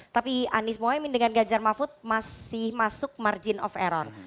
tapi anies mohaimin dengan ganjar mahfud masih masuk margin of error